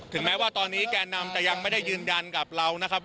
แม้ว่าตอนนี้แก่นำจะยังไม่ได้ยืนยันกับเรานะครับ